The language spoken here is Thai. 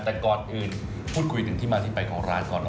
แต่ก่อนอื่นพูดคุยถึงที่มาที่ไปของร้านก่อน